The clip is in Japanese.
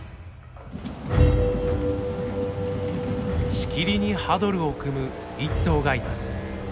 しきりにハドルを組む１頭がいます。